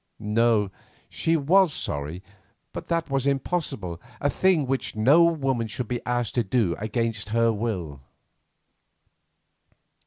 No, she was sorry, but that was impossible, a thing which no woman should be asked to do against her will.